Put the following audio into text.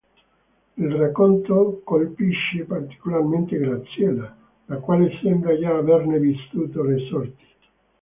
Il racconto colpisce particolarmente Graziella, la quale sembra già averne vissuto le sorti.